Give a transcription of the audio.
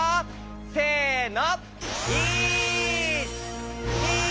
せの！